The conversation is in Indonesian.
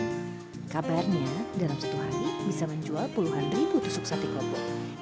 kabarnya dalam satu hari bisa menjual puluhan ribu tusuk sate klopo